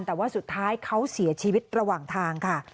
แต่ว่าสุดท้ายเขาเสียชีวิตระหว่างทางค่ะ